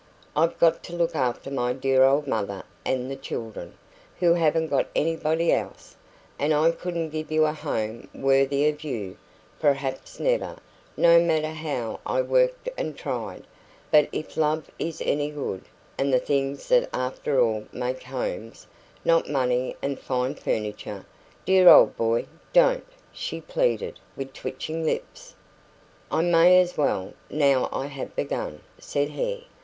I've got to look after my dear old mother and the children, who haven't got anybody else, and I couldn't give you a home worthy of you perhaps never, no matter how I worked and tried; but if love is any good, and the things that after all make homes not money and fine furniture " "Dear old boy, don't!" she pleaded, with twitching lips. "I may as well, now I have begun," said he.